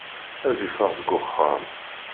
Ad iffeɣ seg uxxam.